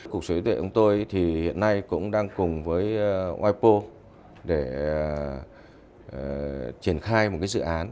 cục sở hữu tuệ của tôi thì hiện nay cũng đang cùng với oipo để triển khai một dự án